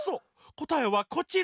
こたえはこちら。